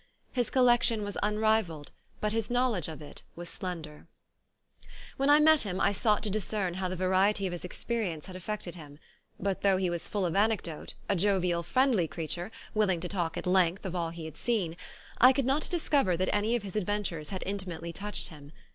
His collection was un rivalled, but his knowledge of it slender. 21 ON A CHINESE SCREEN When I met him I sought to discern how the variety of his experience had affected him; but though he was full of anecdote, a jovial, friendly creature, willing to talk at length of all he had seen, I could not discover that any of his adven tures had intimately touched him.